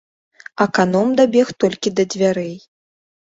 Аканом дабег толькі да дзвярэй.